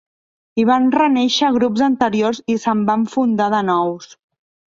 Hi van renéixer grups anteriors i se'n van fundar de nous.